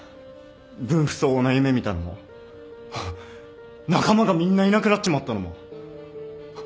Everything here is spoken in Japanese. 分不相応な夢見たのも仲間がみんないなくなっちまったのも